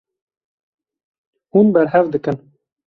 Hûn berhev dikin.